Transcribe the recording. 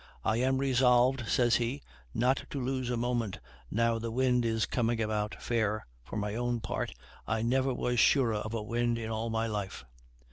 "I am resolved," says he, "not to lose a moment now the wind is coming about fair: for my own part, I never was surer of a wind in all my life."